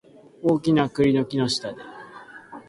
大きな栗の木の下で